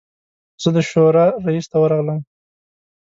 زه د شورا رییس ته ورغلم.